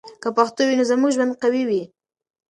که پښتو وي، نو زموږ ژوند کې قوی وي.